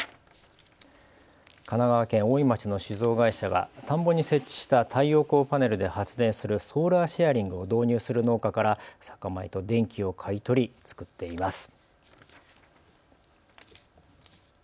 神奈川県大井町の酒造会社が田んぼに設置した太陽光パネルで発電するソーラーシェアリングを導入する農家から酒米と電気を買い取り、造っています。